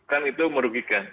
kan itu merugikan